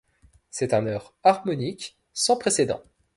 C'est un heurt harmonique sans précédent.